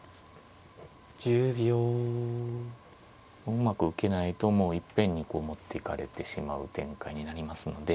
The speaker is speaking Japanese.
うまく受けないともういっぺんにこう持っていかれてしまう展開になりますので。